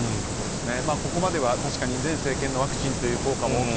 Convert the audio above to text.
ここまでは確かに前政権のワクチンの効果も大きい。